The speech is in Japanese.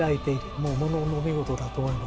ものの見事だと思います。